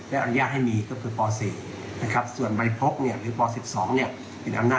แล้วก็พิมพ์แล้วว่าควรจะให้พบไหม่อย่างไร